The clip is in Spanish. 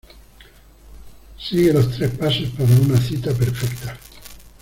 sigue los tres pasos para una cita perfecta.